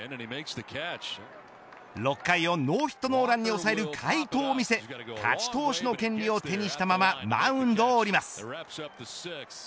６回をノーヒットノーランに抑える快投を見せ勝ち投手の権利を手にしたままマウンドを降ります。